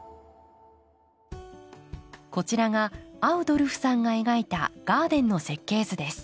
こちらがアウドルフさんが描いたガーデンの設計図です。